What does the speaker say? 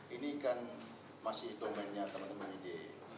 ini kan masih domennya teman teman ini